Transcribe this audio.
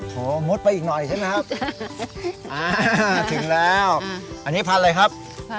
มุดไปอีกหน่อยใช่ไหมครับอ่าถึงแล้วอันนี้พันธุ์อะไรครับ